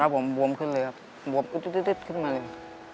ครับผมบวมขึ้นเลยครับบวมตึ๊ดมาเลย